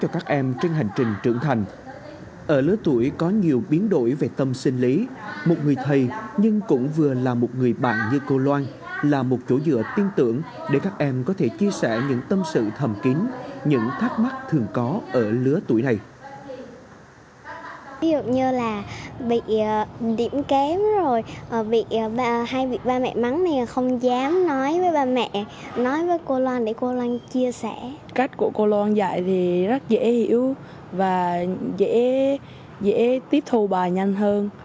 cách của cô loan dạy thì rất dễ hiểu và dễ tiếp thù bà nhanh hơn